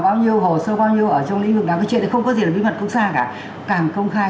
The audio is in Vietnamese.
bao nhiêu hồ sơ bao nhiêu ở trong lĩnh vực nào cái chuyện này không có gì là bí mật cũng xa cả càng công khai